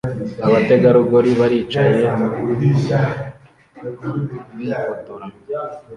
abategarugori baricaye bifotora